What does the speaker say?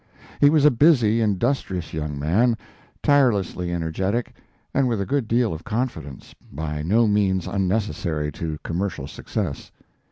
He was a busy, industrious young man, tirelessly energetic, and with a good deal of confidence, by no means unnecessary to commercial success.